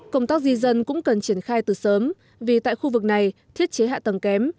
công tác di dân cũng cần triển khai từ sớm vì tại khu vực này thiết chế hạ tầng kém